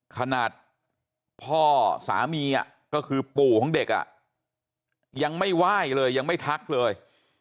ขนาดพ่อสามีก็คือปู่ของเด็กยังไม่ไหว้เลยยังไม่ทักเลย